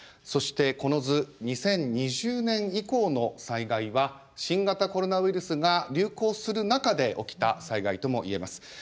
そしてこの図２０２０年以降の災害は新型コロナウイルスが流行する中で起きた災害ともいえます。